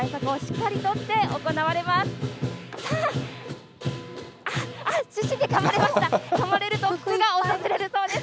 かまれると福が訪れるそうです。